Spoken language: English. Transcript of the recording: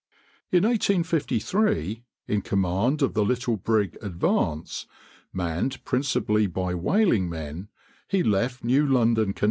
In 1853, in command of the little brig Advance, manned principally by whaling men, he left New London, Conn.